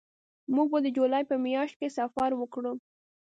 موږ به د جولای په میاشت کې سفر وکړو